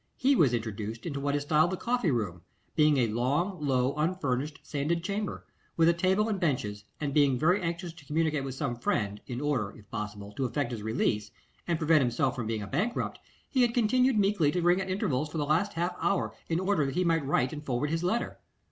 He was introduced into what is styled the coffee room, being a long, low, unfurnished sanded chamber, with a table and benches; and being very anxious to communicate with some friend, in order, if possible, to effect his release, and prevent himself from being a bankrupt, he had continued meekly to ring at intervals for the last half hour in order that he might write and forward his letter.